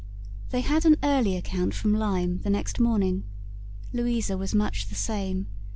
They had an early account from Lyme the next morning. Louisa was much the same.